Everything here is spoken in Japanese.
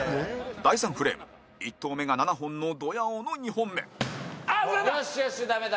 第３フレーム１投目が７本のドヤ王の２本目後藤：ブレた！